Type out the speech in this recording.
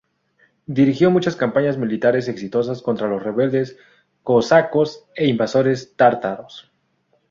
Dirigió muchas campañas militares exitosas contra los rebeldes cosacos e invasores tártaros.